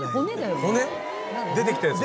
出てきたやつ？